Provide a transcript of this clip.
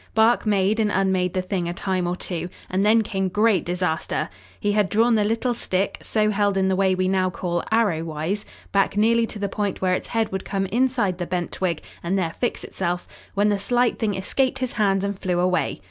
Bark made and unmade the thing a time or two, and then came great disaster. He had drawn the little stick, so held in the way we now call arrowwise, back nearly to the point where its head would come inside the bent twig and there fix itself, when the slight thing escaped his hands and flew away.